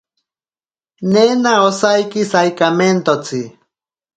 Nena osaiki saikamentotsi.